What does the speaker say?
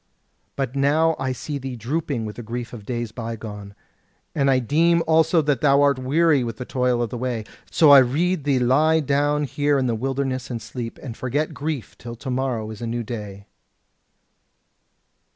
But now I see thee drooping with the grief of days bygone; and I deem also that thou art weary with the toil of the way. So I rede thee lie down here in the wilderness and sleep, and forget grief till to morrow is a new day."